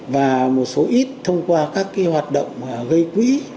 và một số ít thông qua các hoạt động gây quỹ